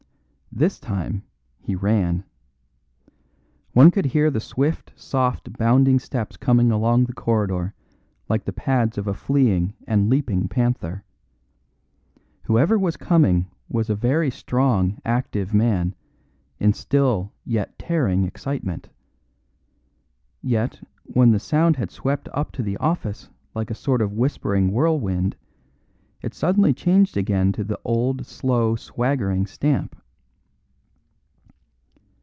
This time he ran. One could hear the swift, soft, bounding steps coming along the corridor, like the pads of a fleeing and leaping panther. Whoever was coming was a very strong, active man, in still yet tearing excitement. Yet, when the sound had swept up to the office like a sort of whispering whirlwind, it suddenly changed again to the old slow, swaggering stamp.